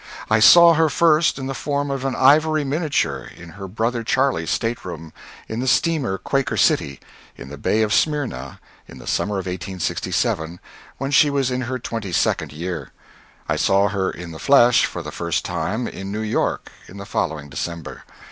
I saw her first in the form of an ivory miniature in her brother Charley's stateroom in the steamer "Quaker City," in the Bay of Smyrna, in the summer of 1867, when she was in her twenty second year. I saw her in the flesh for the first time in New York in the following December.